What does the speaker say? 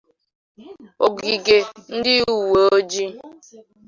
ogige ndị uweojii